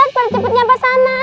boleh jemputnya apa sana